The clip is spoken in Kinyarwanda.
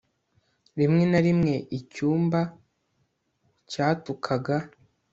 Rimwe na rimwe icyumba cyatukaga